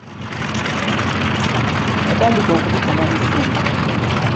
Yatandika okubifunamu ssente.